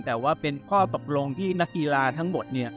แต่ว่าเป็นข้อตกลงที่นักกีฬาทั้งหมด